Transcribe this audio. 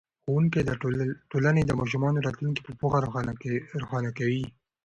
ښوونکی د ټولنې د ماشومانو راتلونکی په پوهه روښانه کوي.